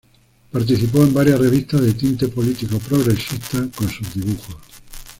Participó en varias revistas de tinte político progresista, con sus dibujos.